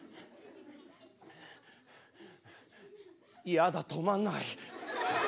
やだ止まんない。